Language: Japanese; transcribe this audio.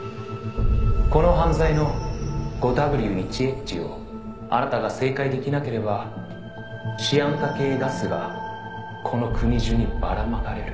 「この犯罪の５Ｗ１Ｈをあなたが正解できなければシアン化系ガスがこの国中にばらまかれる」